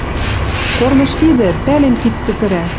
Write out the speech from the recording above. Корныш видӹ! Пӓлем, кид цӹтӹрӓ...